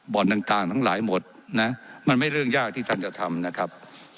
ต่างทั้งหลายหมดนะมันไม่เรื่องยากที่ท่านจะทำนะครับ